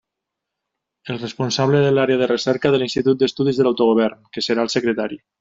El responsable de l'Àrea de Recerca de l'Institut d'Estudis de l'Autogovern, que serà el secretari.